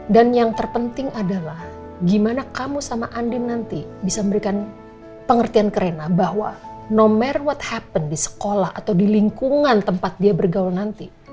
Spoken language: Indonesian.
dan yang terpenting adalah gimana kamu sama andin nanti bisa memberikan pengertian ke rena bahwa no matter what happen di sekolah atau di lingkungan tempat dia bergaul nanti